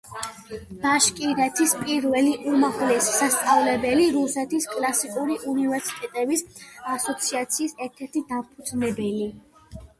ბაშკირეთის პირველი უმაღლესი სასწავლებელი, რუსეთის კლასიკური უნივერსიტეტების ასოციაციის ერთ-ერთი დამფუძნებელი.